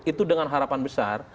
itu dengan harapan besar